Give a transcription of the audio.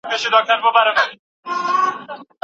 د مامورينو بدلون يې د اړتيا پر مهال کاوه.